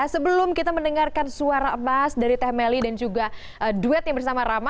sebelum kita mendengarkan suara emas dari teh meli dan juga duet yang bersama rama